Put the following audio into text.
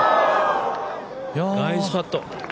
ナイスパット！